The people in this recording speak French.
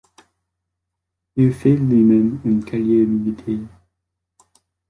Il fait lui-même une carrière militaire.